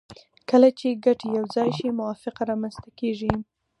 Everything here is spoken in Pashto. کله چې ګټې یو ځای شي موافقه رامنځته کیږي